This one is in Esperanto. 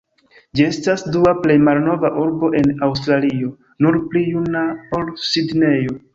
Ĝi estas dua plej malnova urbo en Aŭstralio, nur pli juna ol Sidnejo.